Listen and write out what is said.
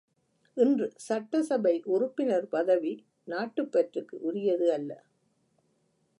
இன்று சட்டசபை உறுப்பினர் பதவி நாட்டுப் பற்றுக்கு உரியது அல்ல.